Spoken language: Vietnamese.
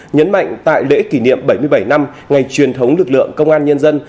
nhấn mạnh tại lễ kỷ niệm bảy mươi bảy năm ngày truyền thống lực lượng công an nhân dân